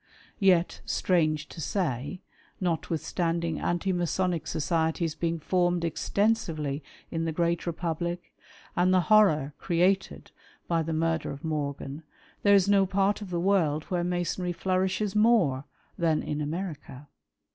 Yet, strange to say, notwithstanding anti Masonic societies being formed extensively in the Great Republic, and the horror created by the murder of FREEMASONRY WITH OURSELVES. 135 Morgan, there is no part of the world where Masonry flourishes more than in America.